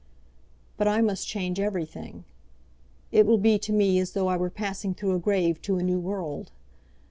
But I must change everything. It will be to me as though I were passing through a grave to a new world.